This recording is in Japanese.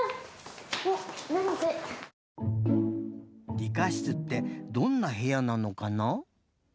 理科室ってどんなへやなのかな？